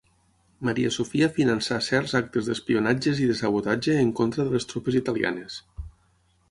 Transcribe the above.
Maria Sofia finançà certs actes d'espionatges i de sabotatge en contra de les tropes italianes.